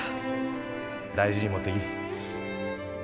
大事に持っていき。